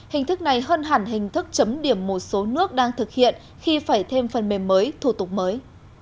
hình thức này hơn hẳn hình thức chấm điểm một số nước đang thực hiện khi phải thêm phần mềm mới thủ tục mới